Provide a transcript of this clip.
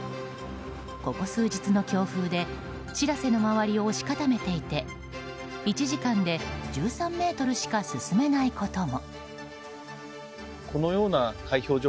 ここ数日の強風で「しらせ」の周りを押し固めていて１時間で１３ｍしか進めないことも。